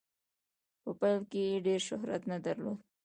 په پیل کې یې ډیر شهرت نه درلود.